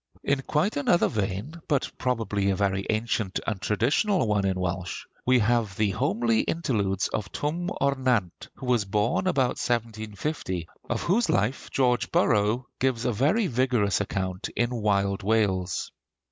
In quite another vein, but probably a very ancient and traditional one in Welsh, we have the homely interludes of Twm O'r Nant, who was born about 1750, of whose life George Borrow gives a very vigorous account in 'Wild Wales.'